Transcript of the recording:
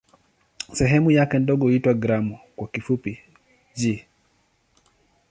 Sehemu yake ndogo huitwa "gramu" kwa kifupi "g".